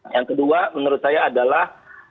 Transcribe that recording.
yang kedua menurut saya adalah